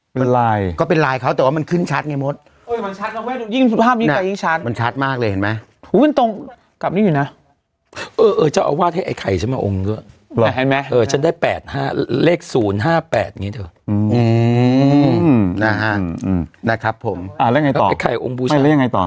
คือรายก็เป็นรายเขาแต่ตัวมันขึ้นชัดไงมธ